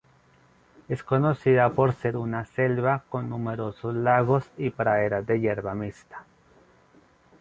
Es conocida por ser una selva con numerosos lagos y praderas de hierba mixta.